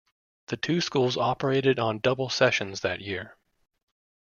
The two schools operated on double sessions that year.